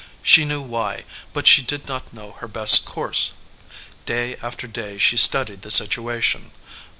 She knew why, but she did not know her best course. Day after day she studied the situation.